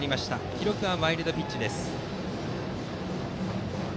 記録はワイルドピッチ。